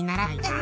あ。